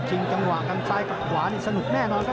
คิงทางหว้างกันซ้ายกันขวานี่สนุกแน่นอนครับ